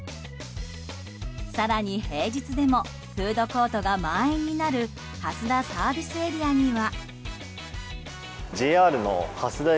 更に平日でもフードコートが満員になる蓮田ＳＡには。